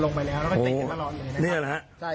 แล้วก็สิงคัดตลอดเลยนะครับ